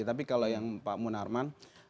tapi kalau yang pak munarman